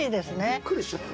びっくりしちゃった。